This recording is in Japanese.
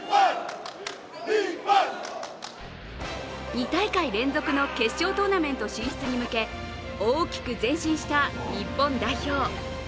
２大会連続の決勝トーナメント進出に向け大きく前進した日本代表。